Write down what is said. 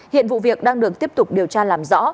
hiện vụ việc đang được tiếp tục điều tra làm rõ